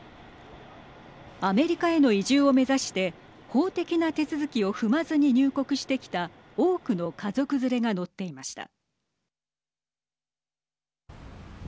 アメリカへの移住を目指して法的な手続きを踏まずに入国してきた多くの家族連れが乗っていました。